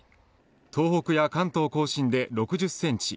東北や関東甲信で６０センチ